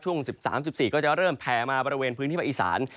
ช่วง๑๓๑๔ก็จะเริ่มแผ่มาบริเวณพื้นที่ภาคอีสาน